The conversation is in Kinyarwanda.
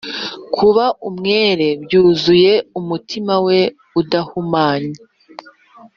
kuba umwere byuzuye umutima we udahumanye.